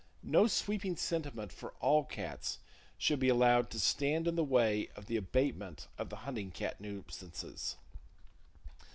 No sweeping sentiment for all cats should be allowed to stand in the way of the abatement of the hunting cat nuisances.